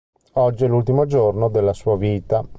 Oggi è l'ultimo giorno della sua vita.